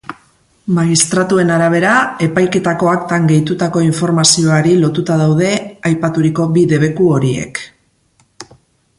Magistratuen arabera, epaiketako aktan gehitutako informazioari lotuta daude aipaturiko bi debeku horiek.